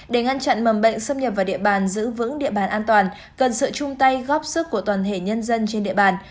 để ngăn chặn mầm bệnh xâm nhập vào địa bàn giữ vững địa bàn an toàn cần sự chung tay góp sức của toàn thể nhân dân trên địa bàn